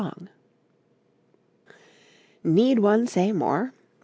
] Need one say more?